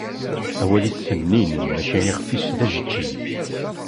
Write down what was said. Awal-is sennin maca ixf-is d ajeǧǧig.